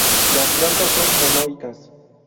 Las plantas son monoicas.